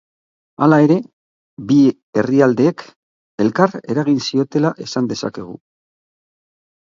Hala ere, bi herrialdeek elkar eragin ziotela esan dezakegu.